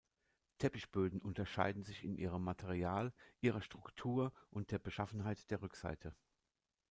Teppichböden unterscheiden sich in ihrem Material, ihrer Struktur und der Beschaffenheit der Rückseite.